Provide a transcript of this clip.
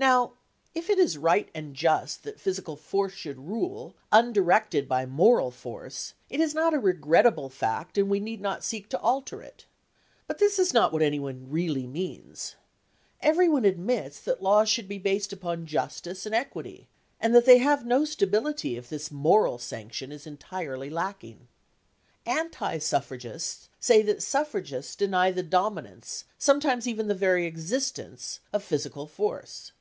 Now, if it is right and just that physical force should rule, undirected by moral force, it is not a regrettable fact, and we need not seek to alter it. But this is not what anyone really means. Everyone admits that laws should be based upon justice and equity, and that they have no stability if this moral sanction is entirely lacking. Anti suffragists say that suffragists deny the dominance, sometimes even the very existence of physical force.